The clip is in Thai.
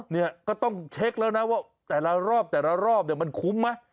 เนี่ยก็ต้องเช็คแล้วนะว่าแต่ละรอบแต่ละรอบเนี่ยมันคุ้มไหม